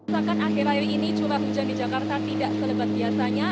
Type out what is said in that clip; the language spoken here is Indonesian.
bahkan akhir akhir ini curah hujan di jakarta tidak selebat biasanya